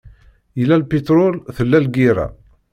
Yella lpiṭrul, tella lgirra.